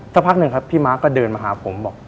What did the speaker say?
สักพักหนึ่งครับพี่ม้าก็เดินมาหาผมบอก